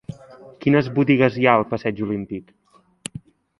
Quines botigues hi ha al passeig Olímpic?